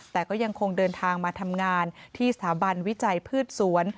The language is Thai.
แต่ก็ยังคงเดินทางมาทำงานที่สถาบันวิจัยพืชสวน